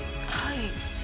はい。